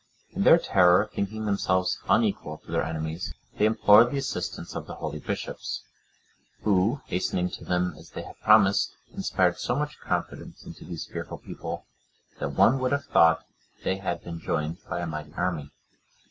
In their terror thinking themselves unequal to their enemies, they implored the assistance of the holy bishops; who, hastening to them as they had promised, inspired so much confidence into these fearful people, that one would have thought they had been joined by a mighty army.